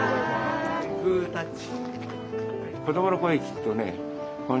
グータッチ。